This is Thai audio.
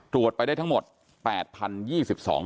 ไปได้ทั้งหมด๘๐๒๒คน